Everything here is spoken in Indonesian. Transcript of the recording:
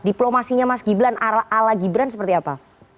diplomasinya mas gibran ala gibran seperti apa